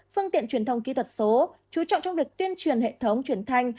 phương tiện truyền thông kỹ thuật số chú trọng trong việc tuyên truyền hệ thống truyền thanh